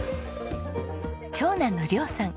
長男の陵さん。